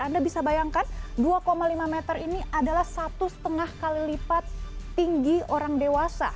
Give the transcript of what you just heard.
anda bisa bayangkan dua lima meter ini adalah satu lima kali lipat tinggi orang dewasa